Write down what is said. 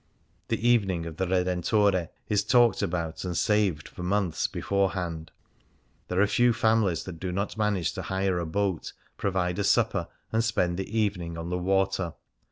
The evening of the Redentore is talked about and saved for months beforehand; there are few families that do not manage to hire a boat, provide a supper, and spend the evening on the water.